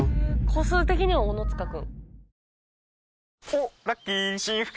個数的には小野塚君。